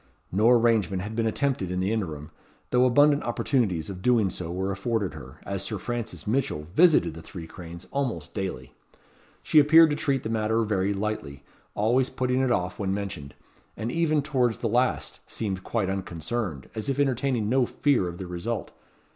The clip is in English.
No arrangement had been attempted in the interim, though abundant opportunities of doing so were afforded her, as Sir Francis Mitchell visited the Three Cranes almost daily. She appeared to treat the matter very lightly, always putting it off when mentioned; and even towards the last seemed quite unconcerned, as if entertaining no fear of the result.